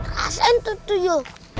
rasain sama tuju